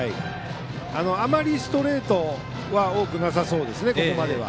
あまりストレートは多くなさそうですね、ここまでは。